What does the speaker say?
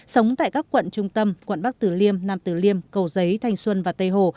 sống tại các quận trung tâm quận bắc tử liêm nam tử liêm cầu giấy thành xuân và tây hồ